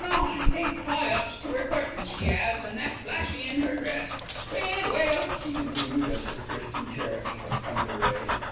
9, pink tie ups to 'er curtains she 'as, an' that flashy in 'er dress. Well, well!" she concluded, as if Christian charity had come to her aid.